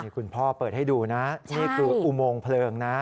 คุณพ่อเปิดให้ดูนะนี่คืออุโมงเพลิงนะ